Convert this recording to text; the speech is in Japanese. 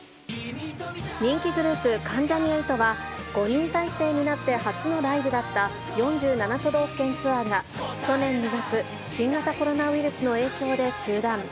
人気グループ、関ジャニ∞は、５人体制になって初のライブだった４７都道府県ツアーが、去年２月、新型コロナウイルスの影響で中断。